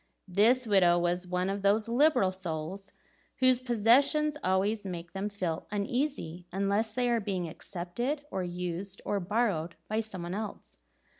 This widow was one of those liberal souls whose possessions always make them feel uneasy unless they are being accepted, or used, or borrowed by some one else.